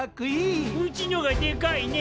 うちのがでかいね！